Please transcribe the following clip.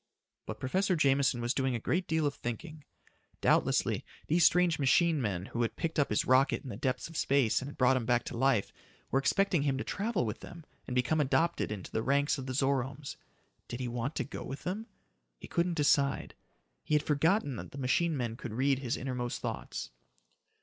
But Professor Jameson was doing a great deal of thinking. Doubtlessly, these strange machine men who had picked up his rocket in the depths of space and had brought him back to life, were expecting him to travel with them and become adopted into the ranks of the Zoromes. Did he want to go with them? He couldn't decide. He had forgotten that the machine men could read his innermost thoughts.